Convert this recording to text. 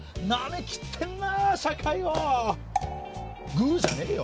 グーじゃねえよ！